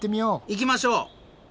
行きましょう！